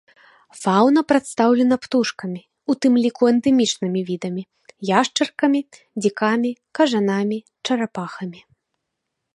Фаўна прадстаўлена птушкамі, у тым ліку эндэмічнымі відамі, яшчаркамі, дзікамі, кажанамі, чарапахамі.